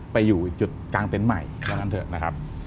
ไปอยู่จุดกลางเต็นต์ใหม่ว่างั้นเถอะนะครับ